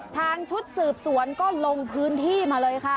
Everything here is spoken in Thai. ทางชุดสืบสวนก็ลงพื้นที่มาเลยค่ะ